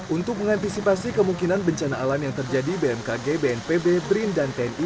untuk mengantisipasi kemungkinan bencana alam yang terjadi bmkg bnpb brin dan tni